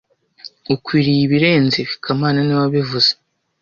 Ukwiriye ibirenze ibi kamana niwe wabivuze